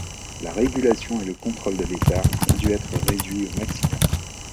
La régulation et le contrôle de l’État ont dû être réduits au maximum.